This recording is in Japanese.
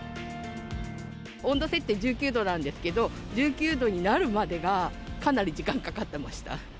温度設定１９度なんですけど、１９度になるまでが、かなり時間かかってました。